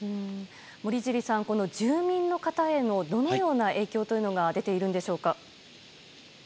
森尻さん、この住民の方へどのような影響が出ているんでしょうか。